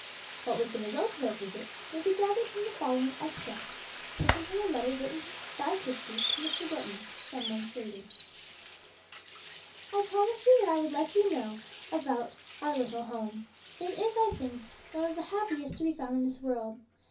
What was the result of that visit may be gathered from the following extract, taken from a letter written by Christie to Mr. Wilton some months later: "I promised you that I would let you know about our little home. It is, I think, one of the happiest to be found in this world.